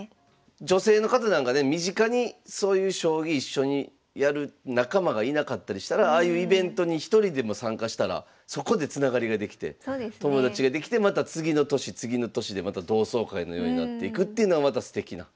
女性の方なんかね身近にそういう将棋一緒にやる仲間がいなかったりしたらああいうイベントに１人でも参加したらそこでつながりができて友達ができてまた次の年次の年でまた同窓会のようになっていくっていうのはまたすてきな。